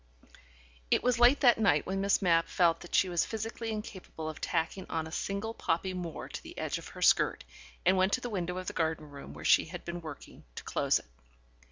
It was late that night when Miss Mapp felt that she was physically incapable of tacking on a single poppy more to the edge of her skirt, and went to the window of the garden room where she had been working, to close it.